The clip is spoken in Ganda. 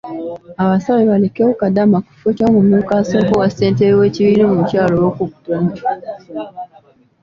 Abasabye balekewo Kadaga ku kifo ky’omumyuka asooka owa ssentebe w’ekibiina omukyala olw'okukuta ne Opozisoni.